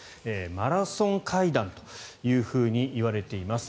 マラソン会談というふうに言われています。